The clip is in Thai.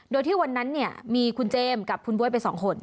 โดยที่วันนั้นเนี่ยมีคุณเจมส์กับคุณบ๊วยไป๒คน